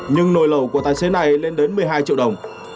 nhưng nồi lẩu của tài xế này lên đến một mươi hai triệu đồng